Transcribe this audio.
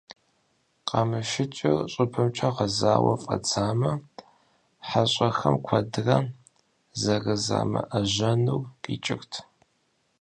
Къамышыкӏыр щӏыбымкӏэ гъэзауэ фӀэдзамэ, хьэщӀэхэм куэдрэ зэрызамыӏэжьэнур къикӏырт.